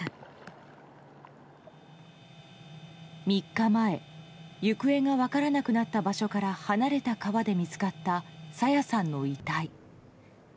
３日前行方が分からなくなった場所から離れた川で見つかった朝芽さんの遺体。